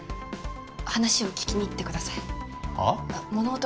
話を聞きに行ってください。